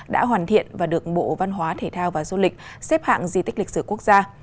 đã hoàn thiện và được bộ văn hóa thể thao và du lịch xếp hạng di tích lịch sử quốc gia